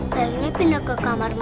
gayungnya pindah ke kamar mami